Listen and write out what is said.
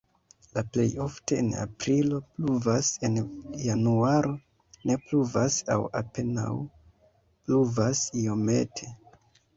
La plej ofte en aprilo pluvas, en januaro ne pluvas aŭ apenaŭ pluvas iomete.